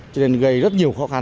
cho nên gây rất nhiều khó khăn